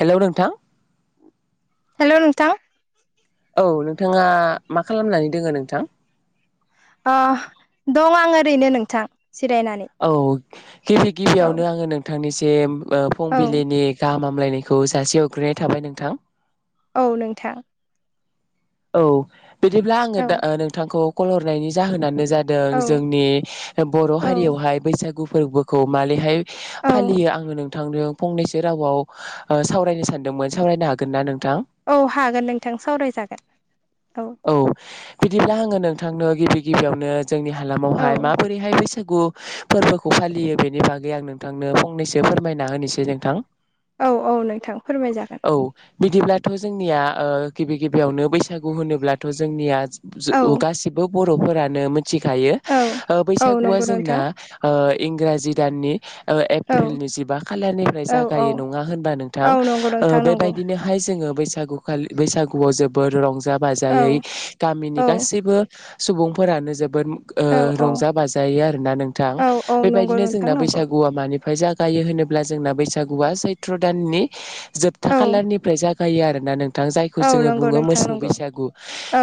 Hello नोंथां। Hello नोंथां। औ नोंथाङा मा खालामनानै दोङो नोंथां। दं आं ओरैनो नोंथां। जिरायनानै औ गिबि औ गिबियावनो आङो नोंथांनि जे औ फुंबिलिनि गाहा हामलायनायखौ जासि हरग्रोननाय थाबाय नोंथां औ नोंथां। औ बिदिब्ला आङो औ दा नोंथांखौ कल हरनायनि जाहोनानो जादों औ जोंनि बर' औ हारियावहाय बैसागु फोरबोखौ मोरैहाय औ फालियो आङो नोंथांजों फंनैसो रावाव सावरायनो सानदों। मोन सावरायनो हागोन ना नोंथां? औ हागोन नोंथां सावरायजागोन औ बिदिब्ला आङो नोंथांनो गिबि गिबियावनो जोंनि औ हालामावहाय माबोरैहाय बैसा गु फोरबोखौ फालियो बेनि बागै आं नोंथांनो फंनैसो फोरमायना होनोसै नोंथां औ औ नोंथां फोरमाय जागोन थ' जोंनिया गिबि गिबियावनो बैसागु होनोब्लाथ' जोंनिया औ गासिबो बर'फोरानो मिथिखायो औ औ बैसागुआ नंगौ जोंना नोंथां ओ इंराजि दाननि औ एप्रिल नैजिबा खाारनि औ औ जायोा होनबा औ नोंथां नंगौ नोंथां नंगौ बेबायदिनोहाय जोंहाय जों बै बैसागु खालि बैसागुआव जोबोद रंजा औ बाजायै गामिनि औ गासैबो सुबुंफोरानो जोबोद ओ औ रंजा बाजायो आरोना नोंथां औ औ नंगौ बेबायदिनो नोंथां जोंना नंगौ बैसागुआ मानि जागायो होनोब्ला जोंना बैसागुआ सैत्र' दाननि जोबथा औ खालारनिफ्राय जा गायो आरो ना नोंथां जायखौ औ जोङो नंगौ बुङो नोंथां मोसौ नंगौ बैसागु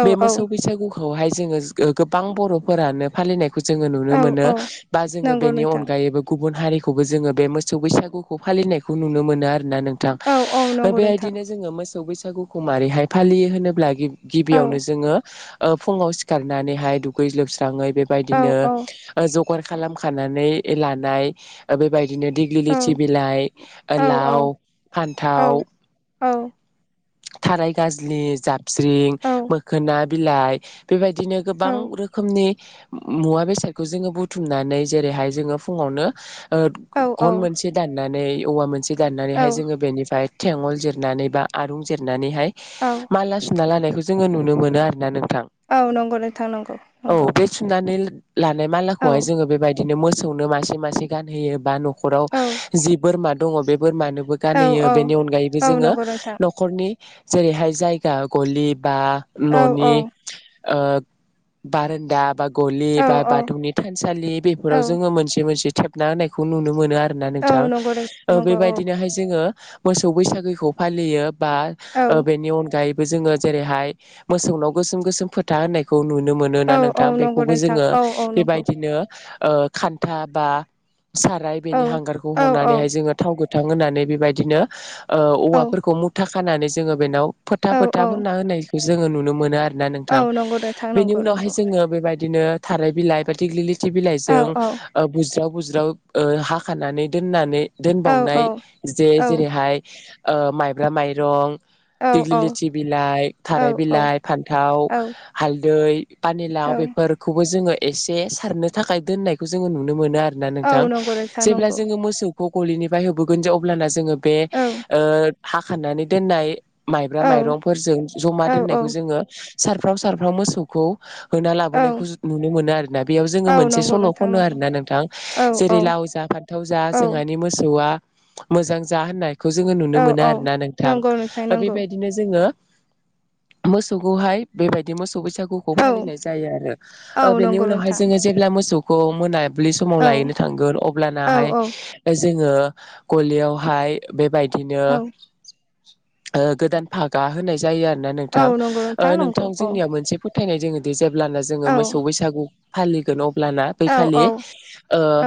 औ बे औ मोसौ बैसागु खौहाय जोङो गोबां बर'फोरानो फालिनाय खौ जों नुनो औ मोनो औ बा जों नंगौ बेनि नोंथां अनगायैबो गु गुबुन हारिखौबो जोङो बे मोसौ बैसागुखौ फालिनायखौ नुनो मोनो आरो होना नोंथां औ औ नंगौ नोंथां बेबायदिनो जोङो मोसौ बैसागुखौ मारैहाय फालियो होनोब्ला औ गिबियावनो जोङो फुुङाव सिखारनानैहाय दुगै लोब स्राङै औ बेबायदिनो औ जगार खालामखानानै लानाय बेबायदि बिदिनो दिग्लि औ लिथि बिलाइ औ लाव औ फान्थाव औ थाराय गाजलि जाबस्रिं औ मोखोना बिलाइ बेबायदि बिदिनो गोबां रोखोमनि मुवा बेसादखौ जोङो बुथुमनानै जेरैहाय जोङो फुङावनो ओद औ गन मोनसे दाननानै औवा मोनसे दाननानैहाय औ जोङो बेनिफ्राय थेंगल जिरनानै बा आरुं जिरनानैहाय औ माला सुना लानायखौ जोङो नुनो मोनो आरोना नों थां । औ नंगौ नोंथां नंगौ औ नंगौ बे सुनानै लानाय औ मालाखौहाय जोङो बेबायदिनो मोसौनो मासे मासे गानहोयो बा न' खराव औ जि बोरमा दङ बे बोरमानोबो औ औ गानहोयो बेनि अनगायैबो औ जोङो नंगौ नोंथां न'खरनि जेरैहाय जायगा गलि बा औ औ न'नि ओ बारान्दा बा गलि औ बा औ बाथौनि थानसालि औ बेफोराव जोङो मोनसे मोनसे थेबना होनायखौ नुनो मोनो आ रो । औ नंगौ नोंथां नंगौ औ बेबायदिनोहाय जोङो मोसौ बैसागुखौ फालियो । बा औ ओ बेनि अनगायैबो जोङो जेरैहाय मोसौलाव गोसोम गोसोम फोथा होननायखौ नु नो औ मोनोना औ नोंथां नंगौ बेखौबो नोंथां जोङो औ औ नंगौ बेबायदिनो ओ खान्था बा साराय औ बेनि हांगारखौ औ औ हनानैहाय जोङो थाव गोथां होनानै बेबायदिनो औवाफोरखौ मुथा खानानै जोङो बेनाव फोथा औ फोथा औ फोनना होनायखौ जोङो नुनो मोनो आरोना औ नोंथां नंगौ नोंथां बेनि नंगौ उनावहाय नंगौ जोङो बेबायदिनो थाराइ बिलाइ दिग्लिलिथि औ बिलाइजों औ ओ बुज्राब बुज्राव ओ हाखानानै दोननानै औ दोनबावनाय जे औ जेरैहाय ओ माइब्रा माइरं औ औ । दिग्लिलिथि बिलाइ खाराय बिलाइ फान्थाव हालदै औ पानिलााव बेफोरखौबो जोङो एसे सारनो थाखाय दोननायखौ जोङो नुनो मोनो आ रोना औ नोंथां नंगौ । नोंथां जेब्ला नंगौ जोङो मोसौखौ गलिनिफ्राय होबोगोन जे अब्ला जो बे औ ओ हाखनानै दोननाय माइब्रा औ माइरं फोरजों जमा औ औ दोननायखौ जोङो सारफ्राव सारफ्राव मोसौखौ होना औ लाबोनायखौ नुनो मोनो आरोना । बेयाव जोङो औ मोनसे नंगौ सल' नोंथां खनो आरो नंगौ ना नोंथां औ औ जेरै लाव जा फान्थाव जा औ जोंहानि मोसौआ मोजां जा होननायखौ जोङो नुनो औ मोनो औ आरोना नोंथां नंगौ नोंथां । नंगौ बेबायदिनो जोङो मोसौखौहाय बेबायदि मोसौ बैसागुखौ औ फालिनाय जायो औ आरो बेनि नंगौ उनावहाय नोंथां जोङो जेब्ला मोसौखौ मोना दुब्लि समाव औ लायनो थांगोन औ अब्लानाहाय औ जोङो गलियावहाय बेबाय औ गोदान भागा होनाय जायो आरो ना औ नोंथां नंगौ नंगौ नोंथां औ जोंनियाव मोनसे फोथायनाय जोङोदि ज जोङो औ मोसौ बैसागु फालिगोन अब्लाना बै औ खालि औ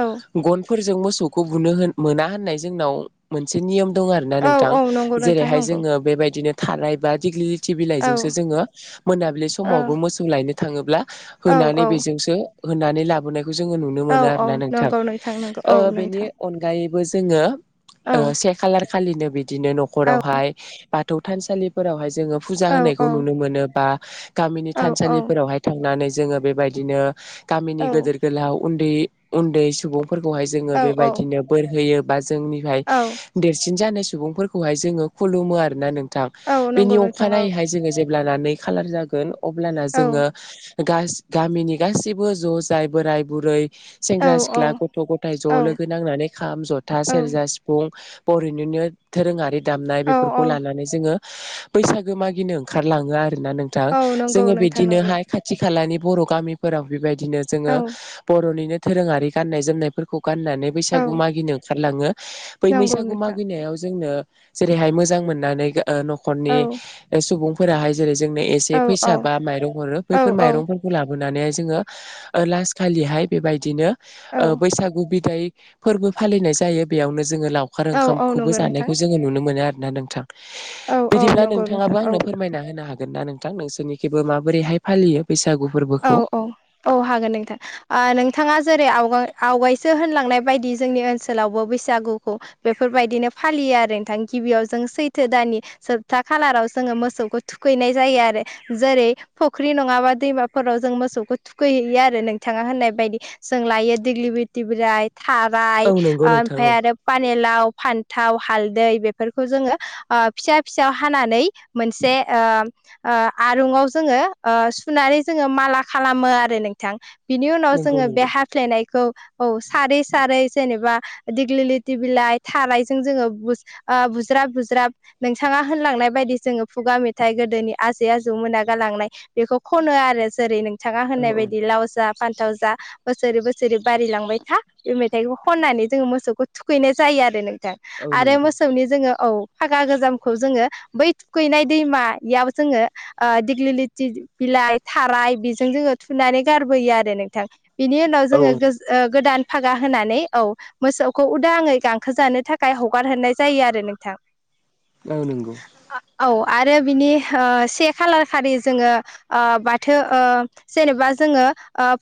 औ ग फोरजों मोसौखौ बुनो होन मोना होननाय जोंनाव मोनसे नियम दं आरो ना औ नोंथां औ नंगौ नोंथां जेरैहाय नंगौ जोङो बेबायदिनो थानाय बा दिग्ल थि औ बिलाइजोंसो जोङो मोनाबिलि औ समावबो मोसौ लायनो थाङोब्ला औ होनानै बेजोंसो होननानै लाबोनायखौ जोङो नुनो औ मोनो आरो ना औ नोंथां नंगौ नंगौ औ बेनि नोंथां अनगायै जोंङो औ से खालार खालिनो बिदिनो औ न'खरावहाय बाथौ थानसालि फोरावहाय जोङो फुजा औ होनायखौ नुनो मोनो बा गामिनि औ औ थानसालिफोरावहाय थांनानै जोङो बेबायदिनो गामिनि गेदेर गोलाव उन्दै उन्दै सुबुंफोरखौहाय जोङो औ बेबायदिनो बोर होयो बा जोंनिहाय औ देरसिन ज सुबुं ज खुलुमो आरो ना नोंथां औ नंगौ बेनि नोंथां औ अखानायै ज अब्लाना नै खाालार जागोन अब्लाना औ जोङो गामिनि गासैबो ज' जाय बोराय बुरै औ सेंग्रा औ सिख्ला गथ' गथाय ज' लोगो नांनानै खाम जथा सेरजा सिफुं बर'निनो दोरोङारि दामनाय औ बेफोरखौ लानानै जोङो बैसागो मागिनो ओंखारलाङो आरो ना नोंथां औ नंगौ जोङो नोंथां नंगौ बिदिनोहाय खाथि खालानि बर' गामिफोराव बेबायदिनो जोङो औ बर'निनो दोरोङारि गाननाय जोमनायफोरखौ गाननानै औ बैसागु मागिनो ओंखारलाङो बै नंगौ बैसागु नोंथां मागिनायाव जोंनो जेरैहाय मोजां मोननानै औ न'खरनि सुबुंफोराहाय जेरै जोंनो औ एसे औ फैसा बा माइरं हरो औ बैफोर औ माइरंफोरखौ लाबो जोङो लास खालि हाय बेबायदिनो औ बैसागु बिद फोरबो फालिनाय जायो बेयावनो जोङो लावखार औ औ ओंखामखौबो नंगौ नोंथां जानायखौ जोङो नुनो मोनो आरोना नोंथां औ औ बिदिब्ला नंगौ नोंथाङाबो नोंथां औ आंनो फोरमायना होनो हागोन ना नोंथां नोंसोरनिखेबो माबोरैहाय फालियो बैसागु? औ फोरबोखौ? औ औ हागोन नोंथां आ नोंथाङा जेरै आवगाय- आवगायसो होनलांनाय बायदि जोंनि ओनसोलावबो बैसागुखौ बेफोरबायदिनो फालि आरो नोंथां गिबियाव जों सैथो दानानि सोबथा खालाराव जोङो मोसौखौ थुखैनाय जायो आरो जेरै फुख्रि नङाबा दैमा फोराव जों मोसौखौ थुखैहैयो आरो नोंथाङा होननाय बायदि जों लायो दिग्लि बिटि ब्राइ औ थाराय नंगौ नोंथां ओमफ्राय औ आरो लाव फान्थाव हालदै बेफोरखौ जोङो फिसा फिसायाव हानानै मोनसे जोङो सु जोङो माला खालामो आरो नोंथां बिनि उनाव नंगौ जोङो बे नंगौ। हाफ्लेनाय खौ औ सारै सारै जेनेबा दिग्लिलि दि बिलाइ थानायजों जोङो बुज्राब बुज्राब नोंथाङा होनलांनाय बायदि जोङो फुगा मेथाइ गोदोनि आजै आजौ मोना गालां खनो आरो जेरै नोंथा औ होननाय औ बायदि लाव जा फानथाव जा बोसोरै बोसोरै बारिलांबाय था बे मेथाइखौ खननानै जोङो मोसौखौ थुखैनाय जायो आरो नों औ आरो नंगौ मोसौनि जोङो औ फागा गोजामखौ जोङो बै थुखैनाय दैमायाव जोङो दिग्लिलिथि बिलाय थाराइ बेजों जोङो थुनानै गारबोयो आरो नोंथां बिनि उनाव औ जोङो गोदान फागा होनानै औ मोसौखौ उदाङै गांसो जानो थाखाय हगार हरनाय जायो आरो नोंथां औ नोंगौ। औ आरो बिनि से खालार खालि जोङो जेनेबा जोङो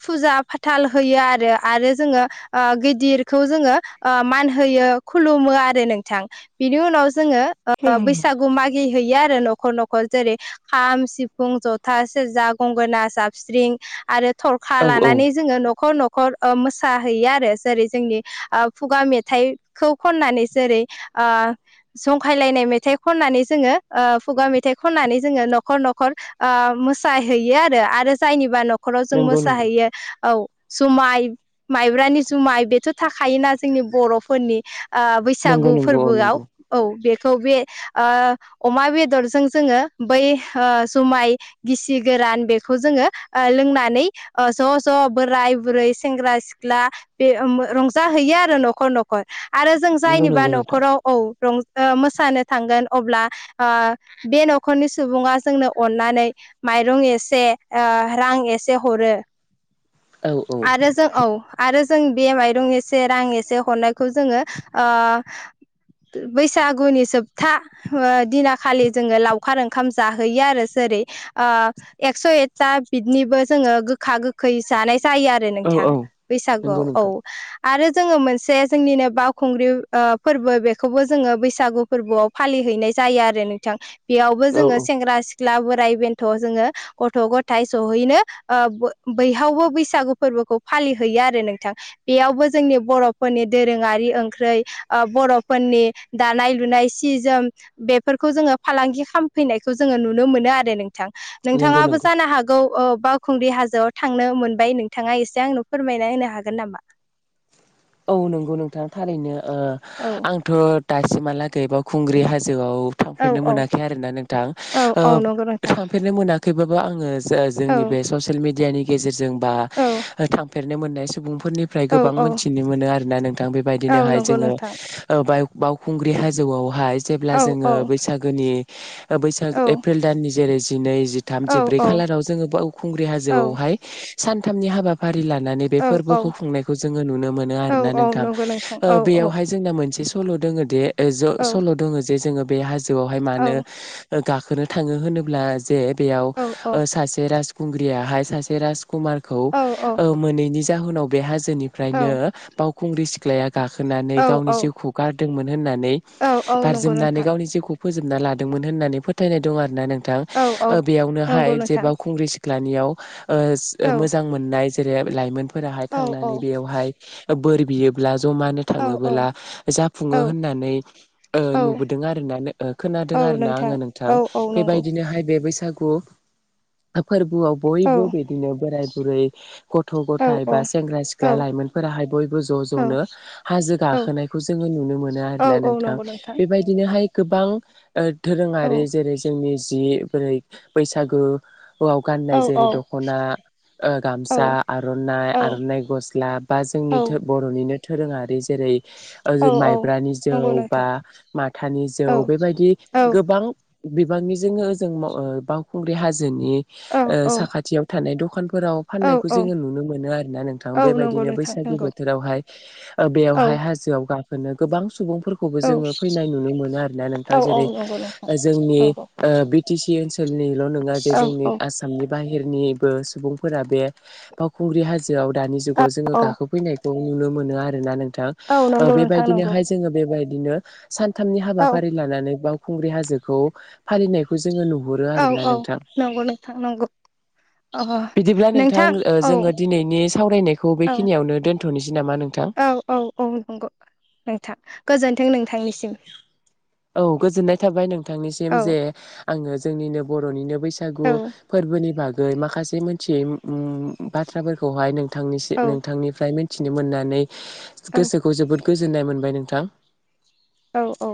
फुजा फाथाल होयो आरो आरो जोङो गिदिरखौ जोङो मान होयो खुलुमो आरो नोंथां बिनि उनाव जोङो औ बैसागु मागि होयो आरो न'खर न'खर जेरै खाम सिफुं जथा सेरजा गंगोना साबस्रिं आरो थरखा औ लानानै जोङो न'खर न'खर मोसाहैयो आरो जेरै जोंनि खुगा मेथाइखौ खननानै जेरै जंखायलायनाय मेथाइ खननानै जोङो खुगा मेथाइ खननानै जोङो न'खर न'खर अ मोसा हैयो आरो जायनिबा न'खराव जों नंगौ नंगौ मोसाहैयो औ जुमाय माइब्रानि जुमाय बेथ' थाखायोना जोंनि बर'फोरनि नंगौ बैसागु नंगौ औ फोरबोआव नंगौ औ बे बे अमा बेदरजों जोङो बै जुमाय गिसि गोरान बेखौ जोङो लोंनानै ज' ज' बोराय बुरै सेंग्रा सिख्ला रंजाहैयो आरो । न'खर न'खर आरो जों नंगौ जायनिबा नंगौ नोंथां न'खराव औ रंजानो मोसानो थांगोन अब्ला बे न'खरनि सुबुङा जोंनो अननानै माइरं एसे रां एसे हरो औ औ आरो जों औ आरो जों बे माइरं एसे रां एसे हरनायखौ जोङो बैसागुनि जोबथा दिन खालि जोङो लावखार ओंखाम जाहैयो आरो सोर एगस एगथा बिदिनोबो जों गोखा गोखै जानाय जायो । आरो औ नोंथां औ नंगौ बैसागुआव औ नोंथां आरो जोङो मोनसे जोंनिनो बावखुंग्रि फोरबो बेखौबो जोङो बैसागु फोरबोआव फालियो। नाय जायो आरो नोंथां बेयावबो औ जोङो औ सेंग्रा सिख्ला बोराय बेनथ जोङो गथ' गथाय जयैनो बैयावबो बैसागु फोरबोखौ फालिहैयो आरो नोंथां बेयावबो जोंनि बर'फोरनि दोरोङारि ओंख्रै बर'फोरनि दानाय लुनाय सि जोम बेफोरखौ जोङो फालांगि खालामफैनायखौ जोङो नुनो मोनो आरो नोंथां नंगौ नंगौ। नोंथाङाबो जानो हागौ बावखुंग्रि हाजोआव थांनो मोनबाय नोंथाङा एसे आंनो फोरमायना होनो हागोन नामा? औ नंगौ नोंथाङा थारैनो औ आंथ' दासिमहालागै बाव खुंग्रि हाजो आव औ थांफेरनो औ मोनाखै आरो नोंथां औ औ नंगौ नोंथां थांफेरनो मोनाखैबाबो आङो औ जोंनि बे ससियेल मेडियानि गेजेरजों बा औ थांफेरनो मोननाय सुबुं फोरनिफ्राय औ गोबां औ मोनथिनो मोनो आरोना नोंथां औ बेबायदिनोहाय नंगौ जोङो नोंथां बावखुंग्रि हाजोआवहाय जेब्ला औ जोङो औ बैसागुनि बैसाग औ एप्रिल दाननि जेरै जिनै जिथाम औ जिब्रै खालार जोङो बावखुंग्रि औ हाजोआवहाय सानथामनि हाबाफारि लानानै बे औ फोरबोखौ खुंनायखौ जों नुनो मोनो औ आरोना औ नोंथां नंगौ नोंथां औ औ बेयावहाय जोंना मोनसे सल' दङ दे औ सल' दङ जे जोङो बे हाजोआवहाय औ मानो गाखोनो थाङो होनोब्ला जे बेयाव औ सासे राजखुंग्रियाहाय सासे राज कुमारखौ औ मोनैनि जाहोनाव बे हाजोनिफ्रायनो बावखुंग्रि सिख्लाया गाखोनानै औ गावनि जिउखौ गारदोंमोन होननानै औ औ नंगौ बार्जुमनानै नोंथां गावनि जिउखौ फोजोबना लादोंमोन होननानै फोथायनाय दं आरोना नोंथां औ औ नंगौ बेयावनोहाय नोंथां जे बावखुंग्रि सिख्लानियाव औ मोजां मोननाय जेरै लाइमोनफोराहाय औ औ थांनानै बेयावहाय बोर बियोब्ला जमानो औ थाङोबोला औ जाफुङो होननानै ओ औ नुबोदों आरोना खोनादों औ आरोना आङो नोंथां औ औ नंगौ बेबायदिनोहाय बे बैसागु फोरबोआव औ बयबो बिदिनो बोराय बुरै गथ' औ गथायाइ औ बा सेंग्रा सिख्ला औ लाइमोनफोराहाय बयबो ज' ज'नो हाजो औ गाखोनायखौ जोङो नुनो मोनो औ आरो ना औ नोंथां नंगौ बेबायदिनो हाय गोबां ओ औ धोरोङारि जेरै जोंनि जि बोरै बैसागु औा औ गाननाय औ जेरै दख'ना औ गामसा आर'नाइ आर'नाइ गस स्ला बा जोंनि बर'निनो धोरोङारि जेरै औ ओ माइब्रानि औ जौ नंगौ बा नोंथां माथानि औ जौ बेबायदि गोबां बिबांनिजोंनो ओजों ओ बावखुंग्रि हाजोनि औ साखाथियाव थानाय द फोराव फाननायखौ औ जोङो नुनो मोनो आरोना नोंथां औ बेबायद नंगौ दिनो नोंथां बैसागु नंगौ बोथोरावहाय ओ औ बेयावहाय हाजोआव गाखोनो गोबां सुबुंफोरखौबो औ जोङो फैनाय नुनो मोनो आरोना औ नोंथां औ जेरै नंगौ नोंथां नंगौ जोंनि औ ओ बिटि सि ओनसो ओनसोलनिल' नङा जे औ जोंनि आसामनि बाहेरनि बो सुबुंफोरा बे फावखुंग्रि हाजोआव दानि जुगाव जोङो औ गाखोफैनायखौ नुनोब मोनो आरोना नोंथां औ ओ नंगौ नोंथां नंगौ बेबायदिनोहाय जोङो बेबायदिनो। सानथामनि औ हाबाफारि लानानै बावखुंग्रि हाजोखौ फालिनायखौ ज जोङो नुहुरो औ आरोना औ नोंथां। नंगौ नोंथां नंगौ अ बिदिब्ला नोंथां ओ जोङो दिनैनि सावरायनायखौ औ बेखिनियावनो दोनथ'नोस औ औ औ नंगौ नोंथां गोजोन्थों नोंथांनिसिम। औ गोजोननाय थाबाय नोंथांनिसिम औ जे आङो जोंनिनो बर'निनो बैसागु औ फोरबोनि बागै माखासे मोनथियै उम बाथ्राफोरखौहाय नोथं थांनिसि नोंथांनिफ्राय मिथिनो मोननानै औ गोसोखौ जोबोद गोजोननाय मोन बाय नोंथां। औ औ।